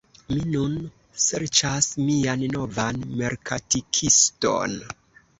Mi nun serĉas mian novan merkatikiston